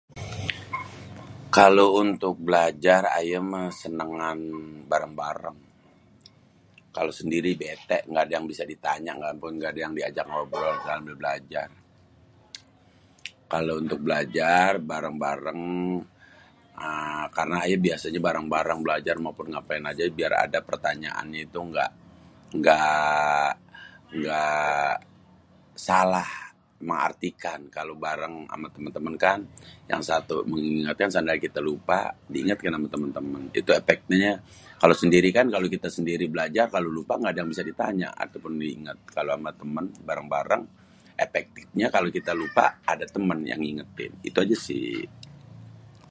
Kalo untuk belajar ayé mah senengan bareng-bareng. Kalo sendiri bètè kagak ada yang bisa ditanya gak ada yang diajak ngobrol sambil belajar. Kalo untuk belajar bareng-bareng, karna ayé biasanyé bareng-bareng belajar maupun ngapain aja biar ada pertanyaannyé itu gak, gak, gak salah mengartikan kalo bareng ama temen-temen kan yang satu mengingatkan seandainya kita lupa, diangatkan ama temen-temen. Itu èpeknya. Kalo sendiri kan, kalo kita sendiri belajar kalo lupa gak ada yang bisa ditanya atau pun diinget kalo ama temen bareng-bareng èpektipnya kalo kita lupa ada temen yang ngingetin itu aja sih.